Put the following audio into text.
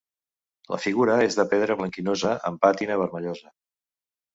La figura és de pedra blanquinosa, amb pàtina vermellosa.